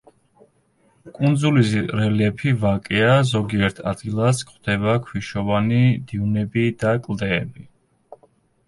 კუნძულის რელიეფი ვაკეა, ზოგიერთ ადგილას გვხვდება ქვიშოვანი დიუნები და კლდეები.